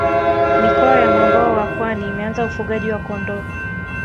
mikoa ya mwambao wa pwani imeanza ufugaji wa kondoo